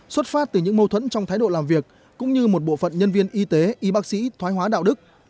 xuất phát từ những mâu thuẫn trong thái độ làm việc cũng như một bộ phận nhân viên y tế y bác sĩ thoái hóa đạo đức